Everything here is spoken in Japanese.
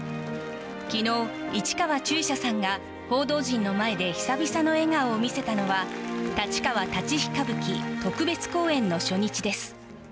昨日、市川中車さんが報道陣の前で久々の笑顔を見せたのは立川立飛歌舞伎特別公演の初日です。